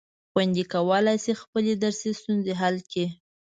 خویندې کولای شي خپلې درسي ستونزې حل کړي.